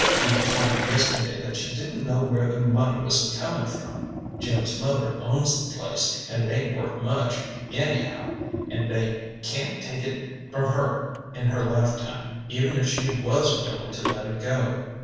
Eva told me yesterday that she didn't know where the money was comin' from. Jim's mother owns the place, and it ain't worth much, anyhow, and they can't take it from her in her lifetime, even if she was willing to let it go.